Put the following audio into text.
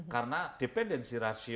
karena dependensi rakyat